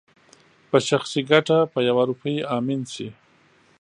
په شخصي ګټه په يوه روپۍ امين شي